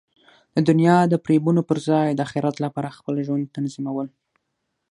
د دنیا د فریبونو پر ځای د اخرت لپاره خپل ژوند تنظیمول.